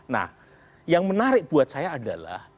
nah yang menarik buat saya adalah